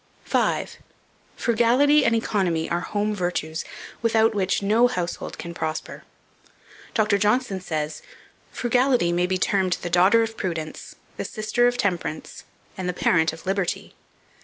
5. FRUGALITY AND ECONOMY ARE HOME VIRTUES, without which no household can prosper. Dr. Johnson says: "Frugality may be termed the daughter of Prudence, the sister of Temperance, and the parent of Liberty.